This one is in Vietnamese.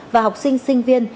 và học sinh sinh viên